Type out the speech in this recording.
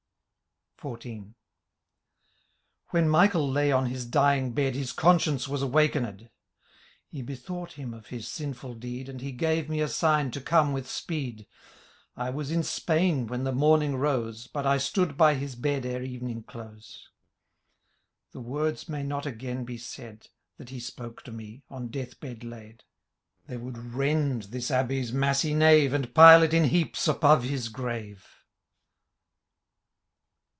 XIV. •• When Michael lay on his dying bed, Uis conscience was awakened : He bethought him of his sinful deed. And he gave me a sign to oome with speed : I was in Spain when the morning rose. But I stood by his bed ere evening close. The words may not again be said. That he spoke to me, on death bed laid ; They would rend this Abbaye's massy nave. And pile it in heaps above his grave.